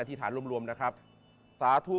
ธิษฐานรวมนะครับสาธุ